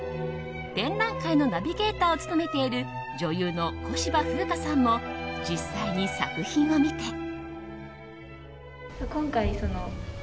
展覧会のナビゲーターを務めている女優の小芝風花さんも実際に作品を見て。